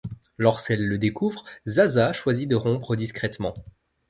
Lorsqu'elle le découvre, Zazà choisit de rompre discrètement.